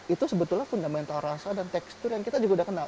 itu sebetulnya fundamental rasa dan tekstur yang kita juga udah kenal